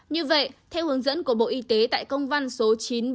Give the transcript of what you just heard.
như vậy theo hướng dẫn của bộ y tế tại công văn số chín nghìn bốn trăm bảy mươi hai